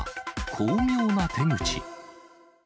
巧妙な手口。